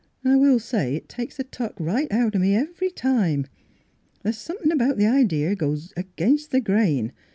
An' I will say it takes the tuck right out o' me every time. The's somethin' about the idea that goes agin the grain.